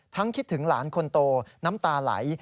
คิดถึงหลานคนโตน้ำตาไหล